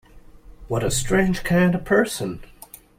What a strange kind of person!